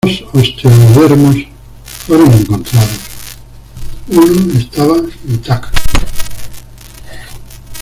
Dos osteodermos fueron encontrados, uno estaba intacto.